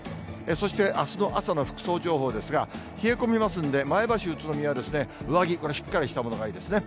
そしてあすの朝の服装情報ですが、冷え込みますんで、前橋、宇都宮は上着、これ、しっかりしたものがいいですね。